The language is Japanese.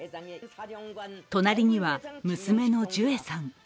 隣には娘のジュエさん。